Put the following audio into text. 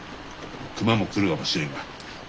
熊も来るかもしれんが。